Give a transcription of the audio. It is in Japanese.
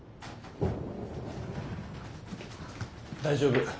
大丈夫。